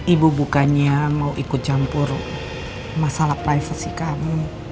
ibu bukannya mau ikut campur masalah privasi kamu